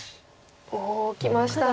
おおきましたね。